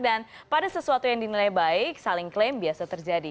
dan pada sesuatu yang dinilai baik saling klaim biasa terjadi